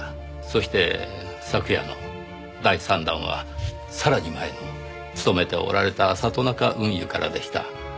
そして昨夜の第３弾はさらに前の勤めておられた里中運輸からでした。